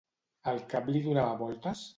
El cap li donava voltes?